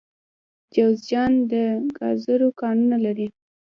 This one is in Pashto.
جوزجان د ګازو کانونه لري